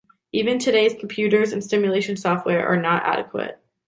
Even today's computers and simulation software are not adequate.